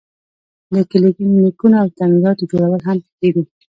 د کلینیکونو او تعمیراتو جوړول هم پکې دي.